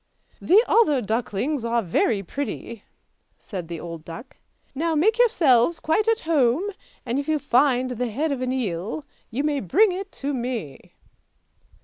" The other ducklings are very pretty," said the old duck. " Now make yourselves quite at home, and if you find the head of an eel you may bring it to me!